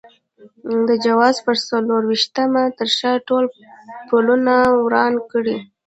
د جوزا پر څلور وېشتمه تر شا ټول پلونه وران کړئ.